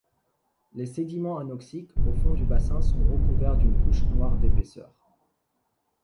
Les sédiments anoxiques au fond du bassin sont recouverts d'une couche noire d' d'épaisseur.